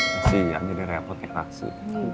masih anginnya repot ya tante